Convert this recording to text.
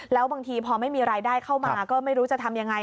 แล้วบางทีพอไม่มีรายได้เข้ามาก็ไม่รู้จะทำยังไง